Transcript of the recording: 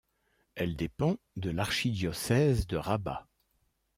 Elle dépend de l'archidiocèse de Rabat.